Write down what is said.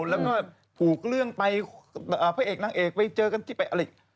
แล้วก็ผูกเรื่องไปพระเอกนางเอกไปเจอกันที่ไปอะไร